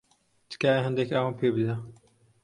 تکایە هەندێک ئاوم پێ بدە.